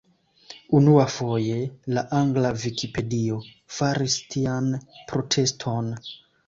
Unuafoje la Angla Vikipedio faris tian proteston.